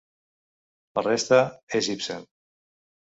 La resta és Ibsen.